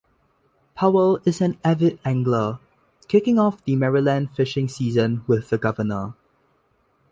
Powell is an avid angler, kicking off the Maryland Fishing season with the governor.